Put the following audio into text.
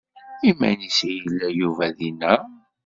Iman-is i yella Yuba dinna?